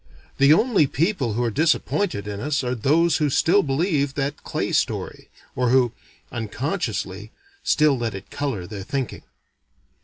The only people who are disappointed in us are those who still believe that clay story. Or who unconsciously still let it color their thinking.